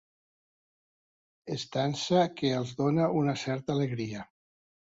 Estança que els dóna una certa alegria.